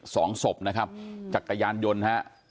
สองศพจากกระยานยนต์